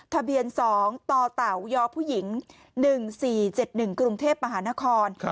ทะเบียน๒ต่อเต่ายผู้หญิง๑๔๗๑กรุงเทพมหานคร